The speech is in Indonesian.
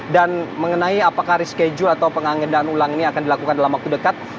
dan mengenai apakah reschedule atau penganggendaan ulang ini akan dilakukan dalam waktu dekat